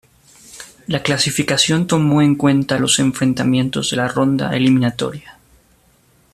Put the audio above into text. La clasificación tomó en cuenta los enfrentamientos de la ronda eliminatoria.